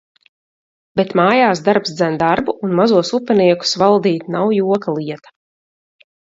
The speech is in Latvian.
Bet mājās darbs dzen darbu un mazos Upeniekus valdīt nav joka lieta.